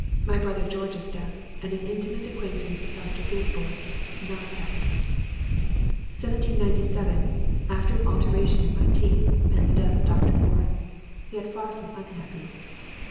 My brother George's death, and an intimate acquaintance with Dr. Gisborne—not happy.... 1797. After an alteration in my teeth, and the death of Dr. Warren—yet far from unhappy.